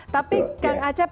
tapi kang acep